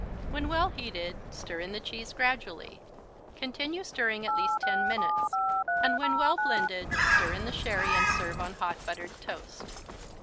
When well heated stir in the cheese gradually. Continue stirring at least 10 minutes, and when well blended stir in the sherry and serve on hot, buttered toast.